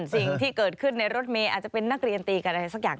สิ่งที่เกิดขึ้นในรถเมย์อาจจะเป็นนักเรียนตีกันอะไรสักอย่าง